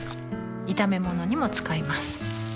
炒め物にも使います